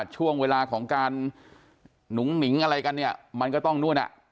ช่วงเวลาของการหนุ่งหนิงอะไรกันเนี่ยมันก็ต้องนู่นอ่ะ